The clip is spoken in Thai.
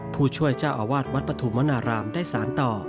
ผู้ช่วยเจ้าอาวาสวัดปฐุมนารามได้สารต่อ